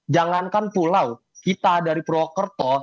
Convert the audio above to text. jangankan pulau kita dari purwokerto